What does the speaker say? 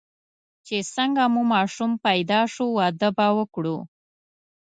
چې څنګه مو ماشوم پیدا شو، واده به وکړو.